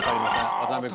渡辺君。